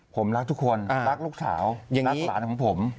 ผมรักทุกคนรักลูกสาวยังรักหลานของผม